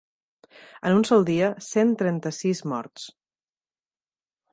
En un sol dia, cent trenta-sis morts.